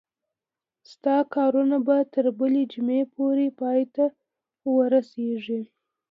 ستا کارونه به تر بلې جمعې پورې پای ته ورسیږي.